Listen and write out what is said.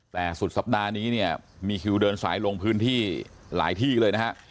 แต่สุดสัปดาห์นี้เนี่ยมีคิวเดินสายลงพื้นที่หลายที่เลยนะฮะ